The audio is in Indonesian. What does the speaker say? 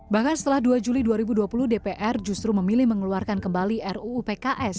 bahkan setelah dua juli dua ribu dua puluh dpr justru memilih mengeluarkan kembali ruu pks